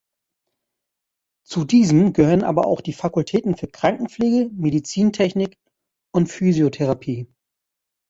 Zu diesem gehören aber auch die Fakultäten für Krankenpflege, Medizintechnik und Physiotherapie.